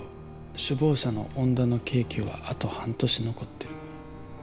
首謀者の恩田の刑期はあと半年残ってる